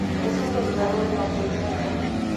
Es un derivado de la peineta.